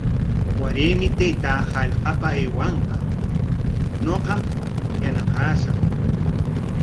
Waraymi taytaa hallqapa aywanqa, ñuqam yanaqashaq.